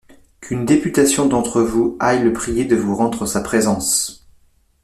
Qu'une députation d'entre vous aille le prier de vous rendre sa présence.